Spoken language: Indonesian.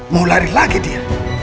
mau lari lagi dia